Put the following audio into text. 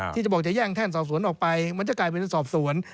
ที่จะบอกจะแย่งแท่นสอบสวนออกไปมันจะกลายเป็นสอบสวน